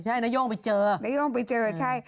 ใช่นาย่งไปเจอนาย่งไปเจอใช่